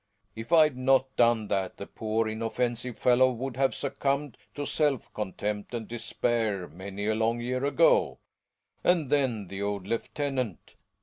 If I'd not done that the poor, inoffensive fellow would have succumbed to self contempt and despair many a long year ago. And then the old lieutenant